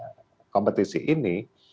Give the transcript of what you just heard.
untuk menghentikan kompetisi ini